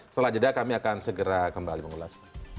setelah jeda kami akan segera kembali mengulas